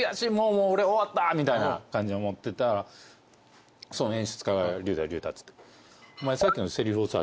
もう俺終わったみたいな感じに思ってたらその演出家が「隆太隆太」っつって。